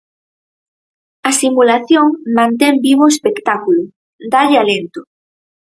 A simulación mantén vivo o espectáculo, dálle alento.